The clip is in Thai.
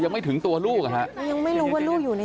อยากจะเห็นว่าลูกเป็นยังไงอยากจะเห็นว่าลูกเป็นยังไง